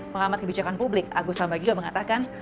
pengamat kebijakan publik agus sambagio mengatakan